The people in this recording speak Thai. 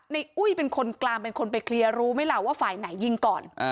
อุ้ยเป็นคนกลางเป็นคนไปเคลียร์รู้ไหมล่ะว่าฝ่ายไหนยิงก่อน